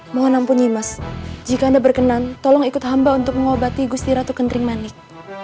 mohon ampuni mas jika anda berkenan tolong ikut hamba untuk mengobati gusti ratu kendring manik